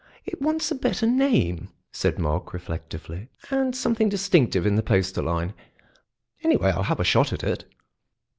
"It wants a better name," said Mark reflectively, "and something distinctive in the poster line. Anyway, I'll have a shot at it."